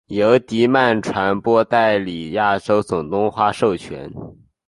由曼迪传播代理亚洲总动画授权。